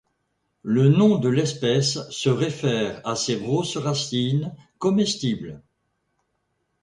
Le nom de l'espèce se réfère à ses grosses racines comestibles.